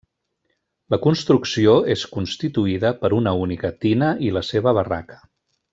La construcció és constituïda per una única tina i la seva barraca.